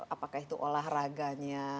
apakah itu olahraganya